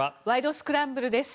スクランブル」です。